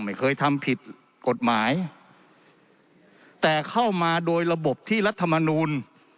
ไม่เคยทำผิดกฎหมายแต่เข้ามาโดยระบบที่รัฐมนูล